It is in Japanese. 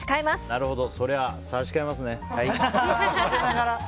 なるほどそりゃ差し替えますね。